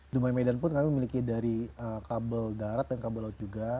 di medan pun kami memiliki dari kabel garat dan kabel laut juga